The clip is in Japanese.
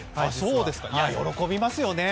喜びますよね。